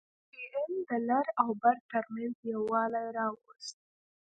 پي ټي ايم د لر او بر ترمنځ يووالي راوست.